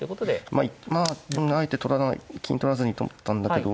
まああえて取らない金取らずにと思ったんだけど。